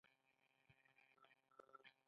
ایا زه باید ښځه شم؟